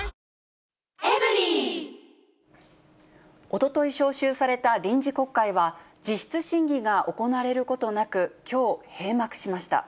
おととい召集された臨時国会は、実質審議が行われることなく、きょう閉幕しました。